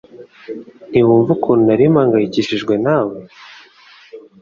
Ntiwumva ukuntu nari mpangayikishijwe nawe